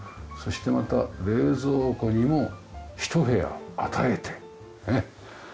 そしてまた冷蔵庫にも一部屋与えてねえ。